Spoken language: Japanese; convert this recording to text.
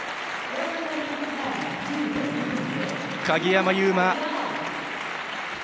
鍵山優真。